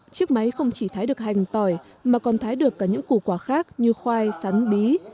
chiếc máy không chỉ thái được hành tỏi mà còn thái được cả những củ quả khác như khoai sắn bí